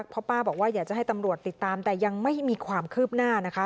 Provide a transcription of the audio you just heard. เพราะป้าบอกว่าอยากจะให้ตำรวจติดตามแต่ยังไม่มีความคืบหน้านะคะ